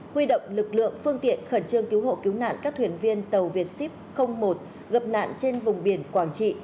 huy động lực lượng phương tiện khẩn trương cứu hộ cứu nạn các thuyền viên tàu việt ship một gập nạn trên vùng biển quảng trị